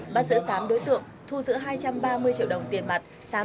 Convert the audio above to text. là tăng vật các đối tượng phục vụ hành vi lừa đảo chiếm đợt tài sản